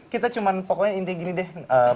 kita cuma pokoknya inti gini deh